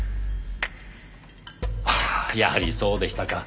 ああやはりそうでしたか。